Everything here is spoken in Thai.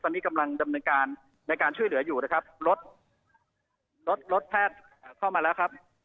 ตอนนี้กำลังดำเนินการในการช่วยเหลืออยู่นะครับรถรถแพทย์เข้ามาแล้วครับ